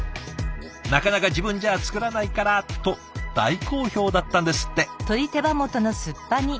なかなか自分じゃ作らないからと大好評だったんですって。